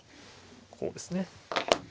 こうですね。